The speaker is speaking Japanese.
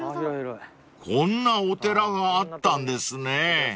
［こんなお寺があったんですね］